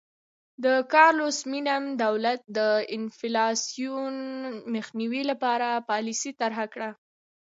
د کارلوس مینم دولت د انفلاسیون مخنیوي لپاره پالیسي طرحه کړه.